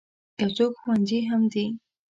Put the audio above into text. یو څو ښوونځي هم دي.